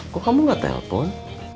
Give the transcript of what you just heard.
kok kamu nggak telepon